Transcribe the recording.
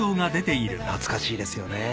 懐かしいですよね。